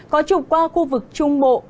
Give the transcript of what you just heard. có trục qua khu vực trung bộ